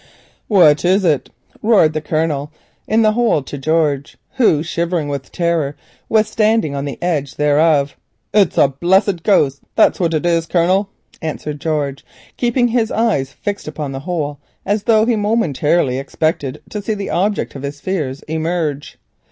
"What is it?" roared the Colonel in the pit to George, who shivering with terror was standing on its edge. "It's a blessed ghost, that's what it is, Colonel," answered George, keeping his eyes fixed upon the hole as though he momentarily expected to see the object of his fears emerge.